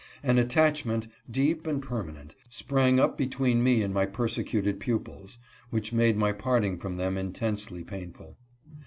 An attachment, deep and permanent, sprang up between me and my persecuted pupils, which made my parting from them intensely painful.